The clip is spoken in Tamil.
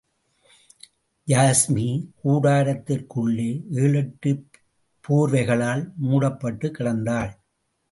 யாஸ்மி கூடாரத்திற்குள்ளே, ஏழெட்டுப் போர்வைகளால் மூடப்பட்டுக் கிடந்தாள்.